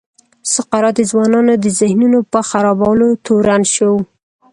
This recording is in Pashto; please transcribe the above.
سقراط د ځوانانو د ذهنونو په خرابولو تورن شو.